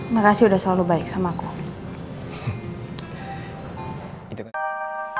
makasih udah selalu baik sama aku